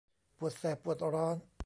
ปวดแสบปวดร้อน